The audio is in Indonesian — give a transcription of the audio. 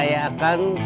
kembali ke rumah kita